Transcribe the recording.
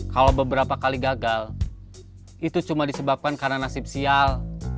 kalau beberapa kali gagal itu cuma disebabkan karena nasib sial